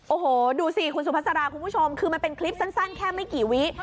โอ้โหดูสิคุณสุภาษาคุณผู้ชมคือมันเป็นคลิปสั้นแค่ไม่กี่วิ